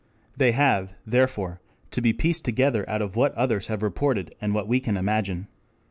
They have, therefore, to be pieced together out of what others have reported and what we can imagine.